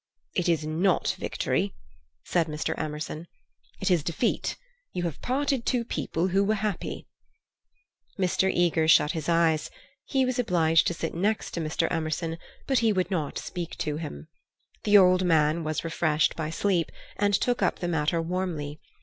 "It is not victory," said Mr. Emerson. "It is defeat. You have parted two people who were happy." Mr. Eager shut his eyes. He was obliged to sit next to Mr. Emerson, but he would not speak to him. The old man was refreshed by sleep, and took up the matter warmly.